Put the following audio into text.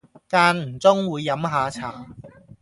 間唔中會飲吓茶